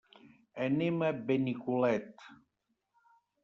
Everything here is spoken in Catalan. Anem a Benicolet.